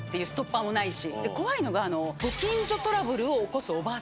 怖いのが。